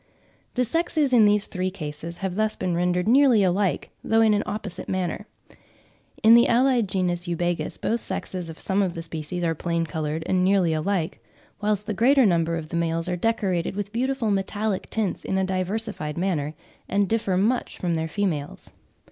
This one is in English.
The sexes in these three cases have thus been rendered nearly alike, though in an opposite manner. In the allied genus Eubagis, both sexes of some of the species are plain coloured and nearly alike; whilst with the greater number the males are decorated with beautiful metallic tints in a diversified manner, and differ much from their females.